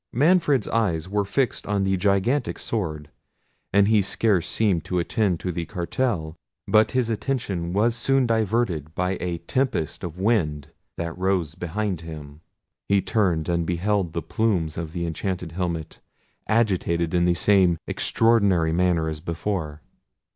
Manfred's eyes were fixed on the gigantic sword, and he scarce seemed to attend to the cartel: but his attention was soon diverted by a tempest of wind that rose behind him. He turned and beheld the Plumes of the enchanted helmet agitated in the same extraordinary manner as before.